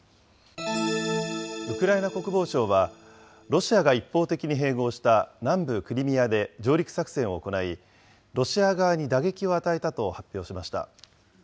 ウクライナ国防省は、ロシアが一方的に併合した南部クリミアで上陸作戦を行い、ロシア側に打撃を与えたと発表しました。